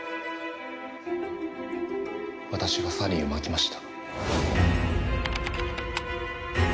私がサリンをまきました。